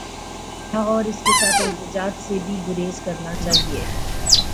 تھا اور اس کے ساتھ احتجاج سے بھی گریز کرنا چاہیے۔